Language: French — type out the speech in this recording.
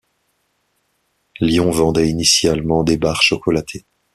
Lion vendait initialement des barres chocolatées.